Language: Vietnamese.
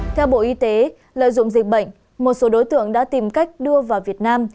theo bộ y tế lợi dụng dịch bệnh một số đối tượng đã tìm cách đưa vào việt nam